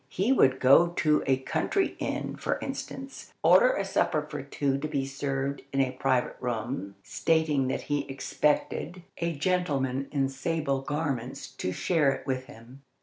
He would go to a country inn, for instance, order a supper for two to be served in a private room, stating that he expected a gentleman in sable garments to share it with him.